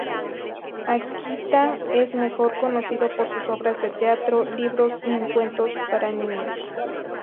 Akita es mejor conocido por sus obras de teatro, libros y cuentos para niños.